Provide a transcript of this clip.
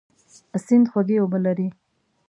سیند خوږ اوبه لري.